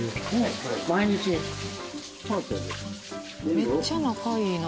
めっちゃ仲いいな。